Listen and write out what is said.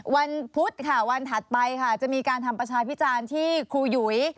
วันพุธค่ะวันถัดไปค่ะจะมีการทำประชาพิจารณ์ที่ครูหยุย